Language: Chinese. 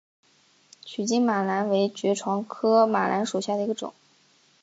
曲茎马蓝为爵床科马蓝属下的一个种。